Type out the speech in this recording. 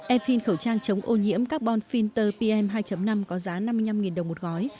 efin khẩu trang chống ô nhiễm carbon finter pm hai năm có giá năm mươi năm đồng một gói